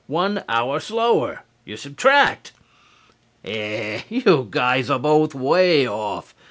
One hour slower. You subtract." "Here, you guys are both way off.